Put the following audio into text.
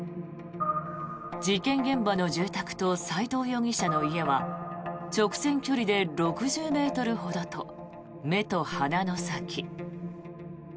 事件現場の住宅と斎藤容疑者の家は直線距離で６０ｍほどと目と鼻の先。